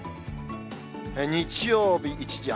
日曜日、一時雨。